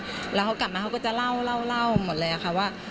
แล้วเขากลับมาเขาก็จะเล่าหมดเลยค่ะว่า